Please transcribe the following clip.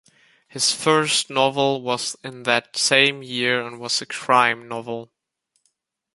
His first novel was in that same year and was a crime novel.